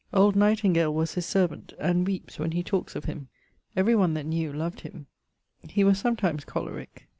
Old Nightingale was his servant, and weepes when he talkes of him. Every one that knew, loved him. He was sometimes cholerique.